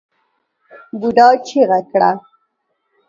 بوډا چيغه کړه!